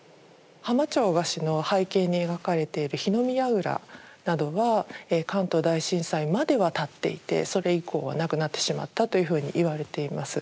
「浜町河岸」の背景に描かれている火の見やぐらなどは関東大震災までは建っていてそれ以降はなくなってしまったというふうに言われています。